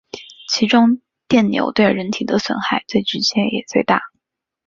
其中电流对人体的损害最直接也最大。